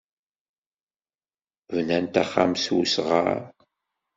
Bnant axxam s wesɣar.